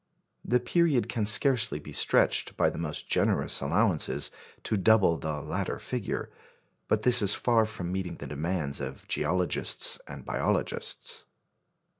The period can scarcely be stretched, by the most generous allowances, to double the latter figure. But this is far from meeting the demands of geologists and biologists.